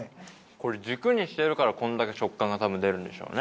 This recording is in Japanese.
これ軸にしてるからこんだけ食感が出るんでしょうね。